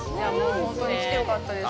ほんとに来てよかったです。